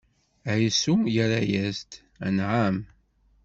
Ɛisu yerra-yas-d: Anɛam!